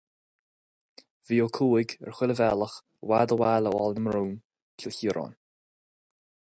Bhí Ó Cuaig, ar chuile bhealach, i bhfad ó bhaile ó Aill na mBrón, Cill Chiaráin.